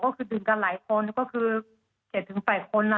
ก็คือดื่มกันหลายคนก็คือ๗๘คนอะไรอย่างนี้ค่ะ